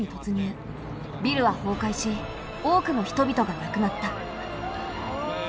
ビルはほうかいし多くの人々がなくなった。